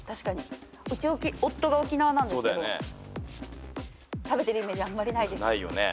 うち夫が沖縄なんですけど食べてるイメージあんまりないです。